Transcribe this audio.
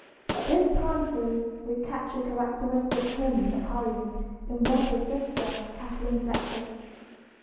At this time too we catch a characteristic glimpse of Harriet in one of her sister Catherine's letters.